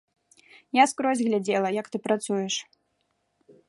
Я скрозь глядзела, як ты працуеш.